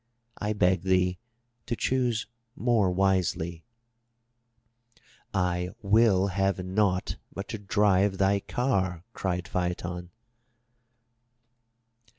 I beg thee to choose more wisely.'* "I will have naught but to drive thy car," cried Phaeton.